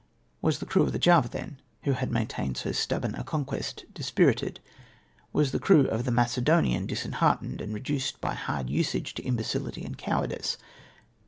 Was the crew of the Java, then, who had maintained so stub born a conquest, dispirited ? Was the crew of the Macedo nian disheartened and reduced by hard usage to imbecility and cowardice